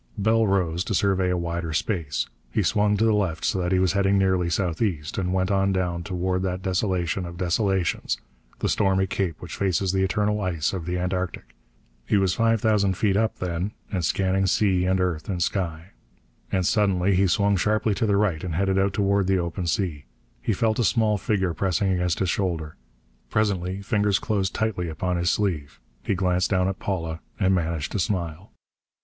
Bell rose, to survey a wider space. He swung to the left, so that he was heading nearly southeast, and went on down toward that desolation of desolations, the stormy cape which faces the eternal ice of the antarctic. He was five thousand feet up, then, and scanning sea and earth and sky.... And suddenly he swung sharply to the right and headed out toward the open sea. He felt a small figure pressing against his shoulder. Presently fingers closed tightly upon his sleeve. He glanced down at Paula and managed to smile.